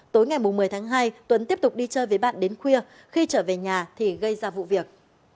tối ngày một mươi tháng hai tuấn tiếp tục đi chơi với bạn đến khuya khi trở về nhà thì gây ra vụ việc